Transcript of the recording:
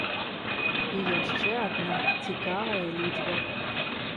І яшчэ адна цікавая лічба.